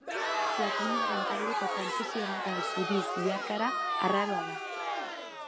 Platinoaren taldeko trantsizio-metal zuri zilarkara arraroa da.